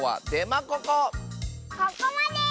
ここまで！